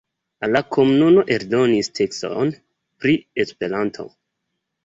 La komunumo eldonis tekston pri Esperanto.